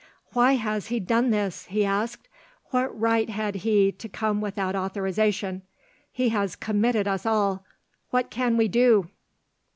"Why has he done this?" he asked. "What right had he to come without authorisation? He has committed us all. What can we do?"